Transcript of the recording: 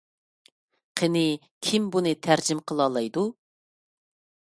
قېنى كىم بۇنى تەرجىمە قىلالايدۇ؟